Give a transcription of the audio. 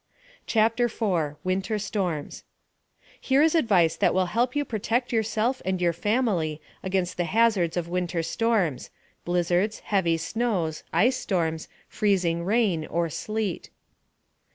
CHAPTER 4 WINTER STORMS Here is advice that will help you protect yourself and your family against the hazards of winter storms blizzards, heavy snows, ice storms, freezing rain, or sleet.